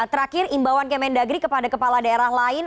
terakhir imbauan kemendagri kepada kepala daerah lain